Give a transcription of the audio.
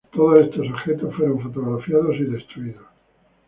Todos estos objetos fueron fotografiados y destruidos.